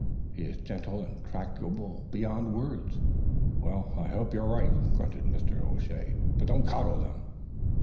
"He is gentle and tractable beyond words." "Well, I hope you're right," grunted Mr. O'Shea, "but don't coddle them."